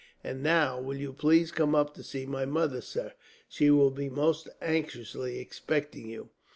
"And now, will you please come up to see my mother, sir. She will be most anxiously expecting you."